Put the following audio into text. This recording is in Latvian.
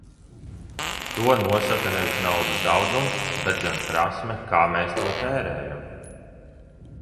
To nosaka nevis naudas daudzums, bet gan prasme, kā mēs to tērējam.